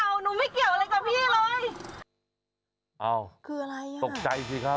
ลูกสาวเขาต้องมีคนมองอุ้มลูกสาวพี่ไป